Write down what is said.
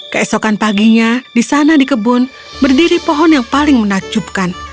keesokan paginya di sana di kebun berdiri pohon yang paling menakjubkan